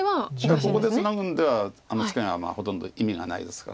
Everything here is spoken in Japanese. ここでツナぐんではあのツケがまあほとんど意味がないですから。